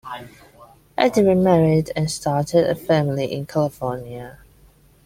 Eddy remarried and started a family in California.